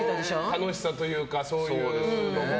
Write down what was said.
楽しさというか、そういうのが。